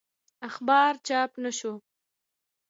اخبار چاپ نه شو.